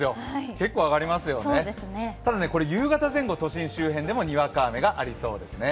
結構上がりますよね、ただね夕方前後都心周辺でもにわか雨がありそうですね。